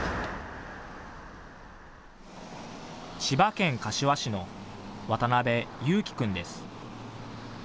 千葉県柏市の渡邉祐輝君です。